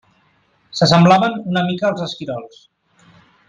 S'assemblaven una mica als esquirols.